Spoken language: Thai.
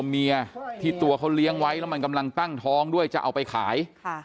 เมียที่ตัวเขาเลี้ยงไว้แล้วมันกำลังตั้งท้องด้วยจะเอาไปขาย